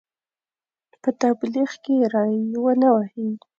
په تبلیغ کې ری ونه وهي.